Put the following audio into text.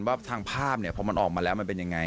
ว่าทางภาพพออกมาแล้วยังไง